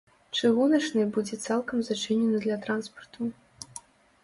Чыгуначнай будзе цалкам зачынены для транспарту.